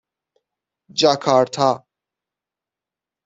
جاکارتا